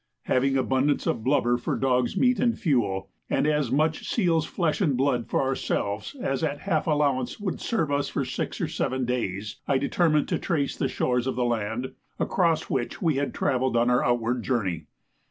Having abundance of blubber for dogs' meat and fuel, and as much seals' flesh and blood for ourselves as at half allowance would serve us for six or seven days, I determined to trace the shores of the land across which we had travelled on our outward journey.